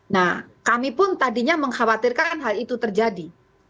nah kami pun tadinya mengkhawatirkan hal itu terjadi